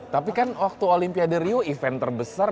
tapi kan waktu olimpiade rio event terbesar